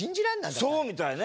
そうみたいね。